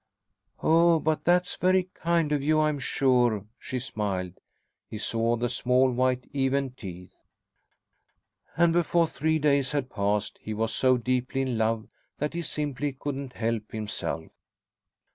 "Oh, but that's very kind of you, I'm sure." She smiled. He saw the small white even teeth.... And before three days had passed, he was so deeply in love that he simply couldn't help himself.